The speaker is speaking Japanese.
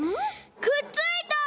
くっついた！